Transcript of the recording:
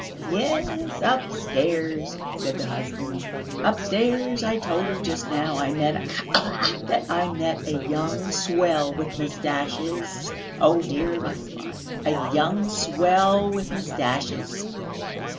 "Yes, upstairs!" said the husband. "Upstairs, I told you just now, I met a ... khee khee ... that I met a young swell with moustaches oh, dear, my spine! a young swell with moustaches."